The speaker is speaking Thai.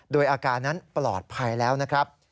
โดยอาการนั้นปลอดภัยแล้วนะครับ